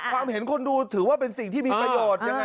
ความเห็นคนดูถือว่าเป็นสิ่งที่มีประโยชน์ยังไง